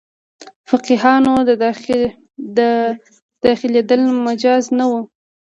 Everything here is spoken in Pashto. فقیهانو داخلېدل مجاز نه وو.